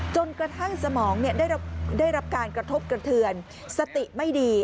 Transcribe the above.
จนกระทั่งสมองได้รับการกระทบกระเทือนสติไม่ดี